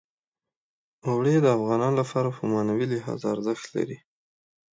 اوړي د افغانانو لپاره په معنوي لحاظ ارزښت لري.